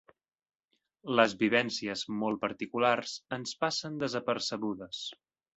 Les vivències molt particulars ens passen desapercebudes.